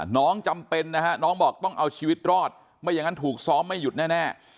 จำเป็นนะฮะน้องบอกต้องเอาชีวิตรอดไม่อย่างนั้นถูกซ้อมไม่หยุดแน่